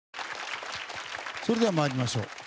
それでは参りましょう。